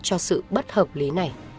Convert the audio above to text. cho sự bất hợp lý này